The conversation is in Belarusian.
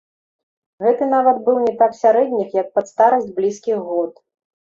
Гэты нават быў не так сярэдніх, як пад старасць блізкіх год.